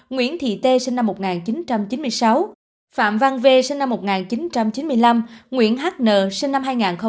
nguyễn thị t sinh năm một nghìn chín trăm chín mươi sáu phạm văn v sinh năm một nghìn chín trăm chín mươi năm nguyễn h n sinh năm hai nghìn một mươi ba